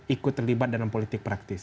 ikut terlibat dalam politik praktis